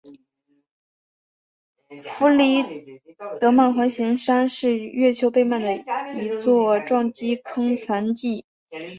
弗里德曼环形山是月球背面的一座撞击坑残迹。